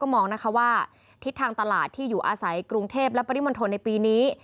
มองนะคะว่าทิศทางตลาดที่อยู่อาศัยกรุงเทพและปริมณฑลในปีนี้